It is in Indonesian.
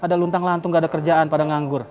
ada luntang lantung gak ada kerjaan pada nganggur